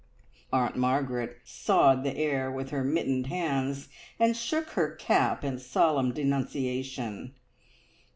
Aunt Margaret sawed the air with her mittened hands, and shook her cap in solemn denunciation.